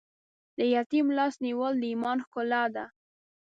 د یتیم لاس نیول د ایمان ښکلا ده.